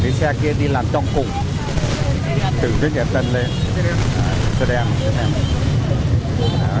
cái xe kia đi làm trong cụm tử viết đẹp tân lên